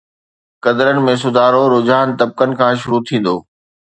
قدرن ۾ سڌارو رجحان طبقن کان شروع ٿيندو.